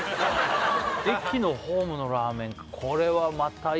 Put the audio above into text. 駅のホームのラーメン